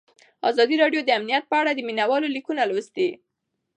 ازادي راډیو د امنیت په اړه د مینه والو لیکونه لوستي.